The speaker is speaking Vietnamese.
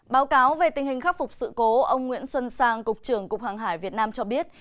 báo cáo về tình hình khắc phục sự cố ông nguyễn xuân sang cục trưởng cục hàng hải việt nam cho biết